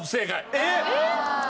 えっ？